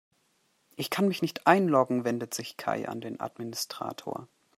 Ich kann mich nicht einloggen, wendet sich Kai an den Administrator.